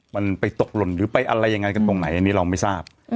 มันไปตกหล่นหรือไปอะไรยังไงกันตรงไหนอันนี้เราไม่ทราบ